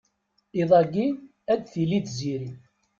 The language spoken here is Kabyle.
Iḍ-agi ad tili tziri.